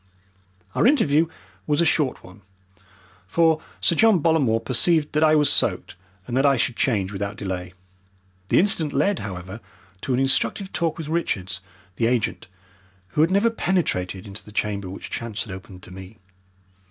Our interview was a short one, for Sir John Bollamore perceived that I was soaked, and that I should change without delay. The incident led, however, to an instructive talk with Richards, the agent, who had never penetrated into the chamber which chance had opened to me.